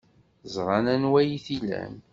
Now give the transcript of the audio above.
Ẓran anwa ay t-ilan.